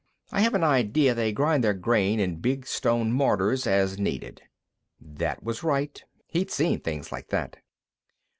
I have an idea they grind their grain in big stone mortars as needed." That was right; he'd seen things like that.